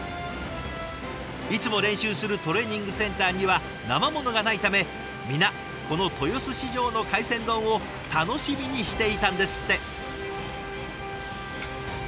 いつも練習するトレーニングセンターにはなま物がないため皆この豊洲市場の海鮮丼を楽しみにしていたんですって。